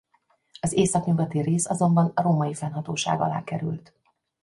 Az északnyugati rész azonban római fennhatóság alá került.